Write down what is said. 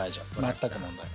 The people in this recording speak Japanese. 全く問題ない。